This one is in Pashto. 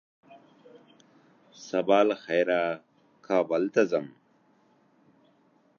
سبا له خيره کابل ته ځم